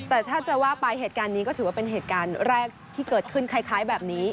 แต่ถ้าจะว่าไปเหตุการณ์นี้ก็ถือว่าเป็นเหตุการณ์แรกที่เกิดขึ้นคล้ายแบบนี้